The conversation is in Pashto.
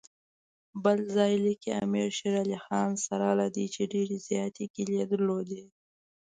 بل ځای لیکي امیر شېر علي سره له دې چې ډېرې زیاتې ګیلې درلودې.